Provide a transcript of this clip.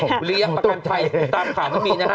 วิริยะประกันภัยตามข่าวมันมีนะฮะ